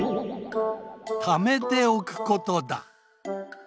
ためておくことだ